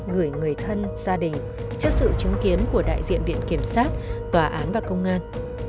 gửi người thân gia đình trước sự chứng kiến của đại diện viện kiểm sát tòa án và công an